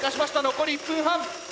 残り１分半。